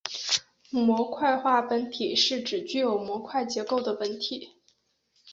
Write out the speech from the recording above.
模块化本体是指具有模块结构的本体。